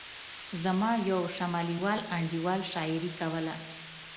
زما یو شمالي وال انډیوال شاعري کوله.